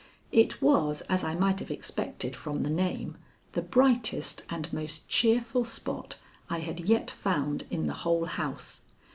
It was, as I might have expected from the name, the brightest and most cheerful spot I had yet found in the whole house.